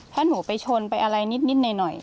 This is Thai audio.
ถ้าหนูไปชนไปอะไรนิดหน่อย